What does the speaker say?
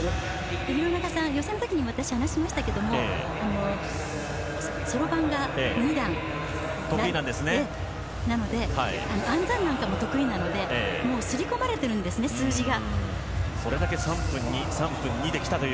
廣中さん、予選の時にも私、話しましたけれどもそろばんが２段なので暗算なんかも得意なのですり込まれているんですね数字が。